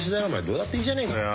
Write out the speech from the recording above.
どうだっていいじゃねえかよ。